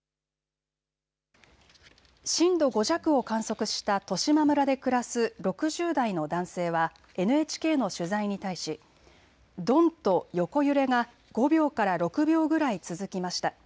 震度５弱を観測した十島村で暮らす６０代の男性はＮＨＫの取材に対しどんと横揺れが５秒から６秒ぐらい続きました。